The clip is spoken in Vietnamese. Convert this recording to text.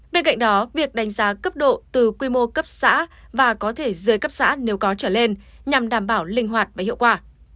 bên cạnh đó việc đánh giá cấp độ từ quy mô cấp xã và có thể dưới cấp xã nếu có trở lên nhằm đảm bảo linh hoạt và hiệu quả